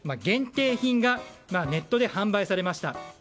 限定品がネットで販売されました。